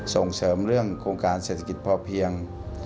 ส่งเสริมเรื่องโครงการเศรษฐกิจพอเพียง